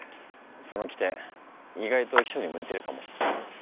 その機転意外と秘書に向いてるかも。